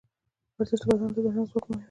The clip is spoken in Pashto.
ورزش د بدن له دننه ځواکمنوي.